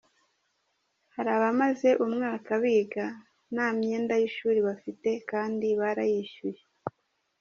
Hari abamaze umwaka biga nta myenda y’ishuri bafite kandi barayishyuye.